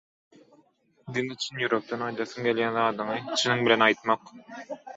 diňe çynýürekden aýdasyň gelýän zadyňy çynyň bilen aýtmak